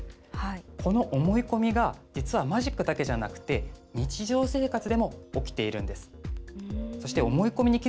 この思い込みが実はマジックだけじゃなくて日常生活でも起きているんです。